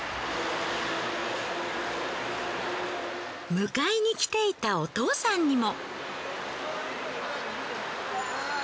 迎えに来ていたお父さんにも。